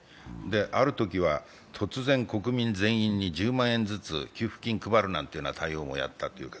あるときは突然、国民全員に１０万円ずつ給付金配るなんていう対応もやった。